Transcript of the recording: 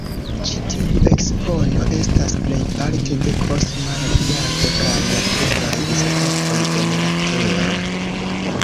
Ĉi tiu ekspono estas plejparte de kosma radiado kaj naturaj izotopoj en la Tero.